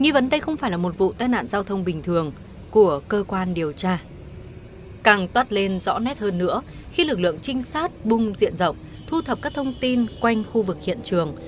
và lấy lời thông tin về vụ tai nạn giao thông bình thường